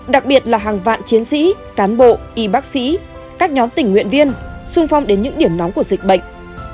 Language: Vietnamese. đặc biệt là hàng vạn chiến sĩ cán bộ y bác sĩ các nhóm tình nguyện viên sung phong đến những điểm nóng của dịch bệnh